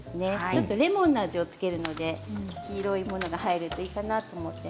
ちょっとレモンの味をつけるので黄色いものが入るといいかなと思って。